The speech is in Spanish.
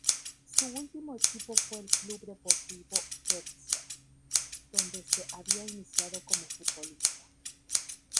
Su último equipo fue el Club Deportivo Getxo, donde se había iniciado como futbolista.